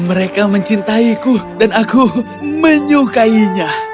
mereka mencintaiku dan aku menyukainya